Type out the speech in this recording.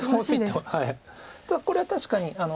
ただこれ確かに。